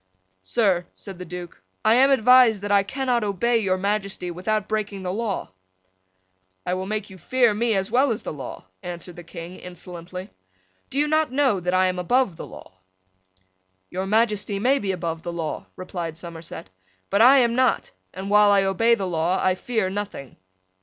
"Sir," said the Duke, "I am advised that I cannot obey your Majesty without breaking the law." "I will make you fear me as well as the law," answered the King, insolently. "Do you not know that I am above the law?" "Your Majesty may be above the law," replied Somerset; "but I am not; and, while I obey the law, I fear nothing."